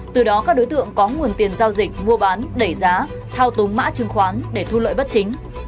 từ đó các đối tượng có nguồn tiền giao dịch mua bán đẩy giá thao túng mã chứng khoán để thu lợi bất chính